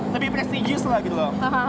lebih presidius lah gitu loh